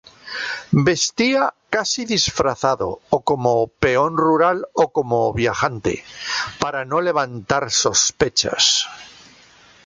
Vestía casi disfrazado, o como peón rural o como viajante, para no levantar sospechas.